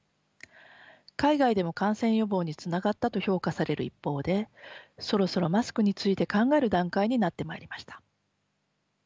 海外でも感染予防につながったと評価される一方でそろそろマスクについて考える段階になってまいりました。